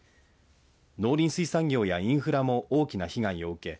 農林水産業やインフラも大きな被害を受け